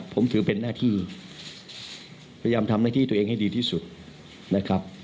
ผมถือเป็นหน้าที่พยายามทำหน้าที่ตัวเองให้ดีที่สุดนะครับ